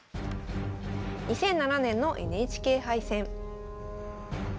２００７年のＮＨＫ杯戦。